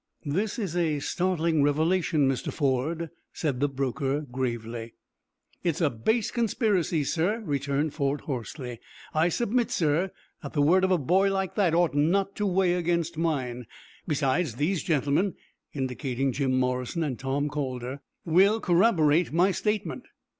"This is a startling revelation, Mr. Ford," said the broker, gravely. "It is a base conspiracy, sir," returned Ford, hoarsely. "I submit, sir, that the word of a boy like that ought not to weigh against mine. Besides, these gentlemen," indicating Jim Morrison and Tom Calder, "will corroborate my statement."